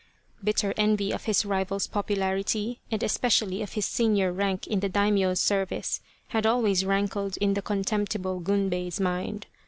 Bitter envy of his rival's popularity, and especially of his senior rank in the Daimio's service, had always rankled in the contemptible Gunbei's mind.